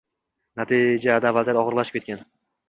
Natijada vaziyat og‘irlashib ketgan.